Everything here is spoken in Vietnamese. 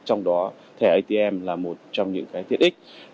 trong đó thẻ atm là một trong những cái tiện ích